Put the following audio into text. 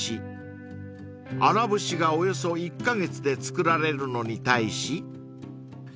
［荒節がおよそ１カ月で作られるのに対し］